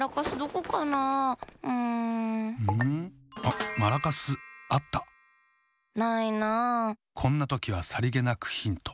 こんなときはさりげなくヒント。